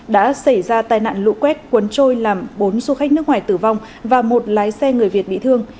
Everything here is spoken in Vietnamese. đã xảy ra tai nạn lũ quét cuốn trôi làm bốn du khách nước ngoài tử vong và một lái xe người việt bị thương